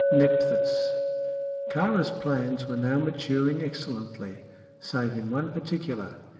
NEPHTHYS. Kāra's plans were now maturing excellently, save in one particular.